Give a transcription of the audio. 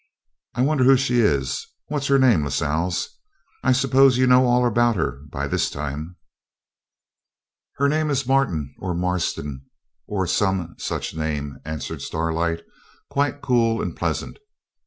I wonder who she is? What's her name, Lascelles? I suppose you know all about her by this time.' 'Her name is Martin, or Marston, or some such name,' answered Starlight, quite cool and pleasant.